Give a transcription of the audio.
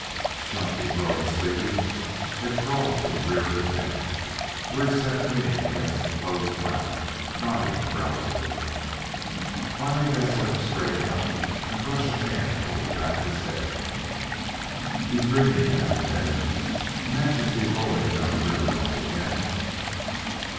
Chunky, growing sleepy, had crawled to the rear of the tent, where he sat leaning against the closed flap, nodding drowsily. Finally they saw him straighten up and brush a hand over the back of his head. "He's dreaming," laughed Ned. "Imagines he's rolling down the river bank again."